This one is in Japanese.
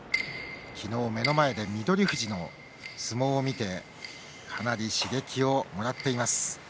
昨日、目の前で翠富士の相撲を見てかなり刺激をもらっています。